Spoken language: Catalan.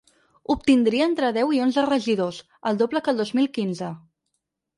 Obtindria entre deu i onze regidors, el doble que el dos mil quinze.